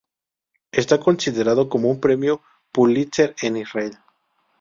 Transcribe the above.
Está considerado como en premio Pulitzer en Israel.